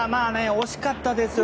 惜しかったですよ。